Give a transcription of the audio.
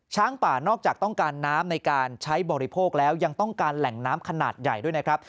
ช้างป่านอกจากต้องการน้ำในการใช้บริโภคแล้วยังต้องการแหล่งน้ำขนาดใหญ่ด้วยนะครับ